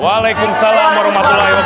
waalaikumsalam warahmatullahi wabarakatuh